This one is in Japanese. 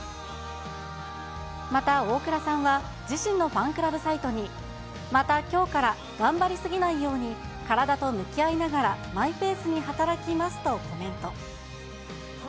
また大倉さんは、自身のファンクラブサイトに、またきょうから、頑張り過ぎないように、体と向き合いながら、マイペースに働きますとコメント。